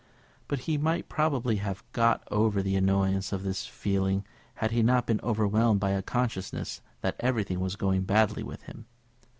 But he might probably have got over the annoyance of this feeling had he not been overwhelmed by a consciousness that everything was going badly with him.